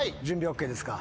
ＯＫです。